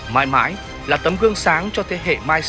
mãi mãi là tấm gương sáng cho thế hệ mai sau luôn ghi nhớ và nói theo